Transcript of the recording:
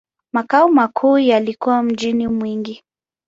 Makao makuu yalikuwa mjini Mwingi.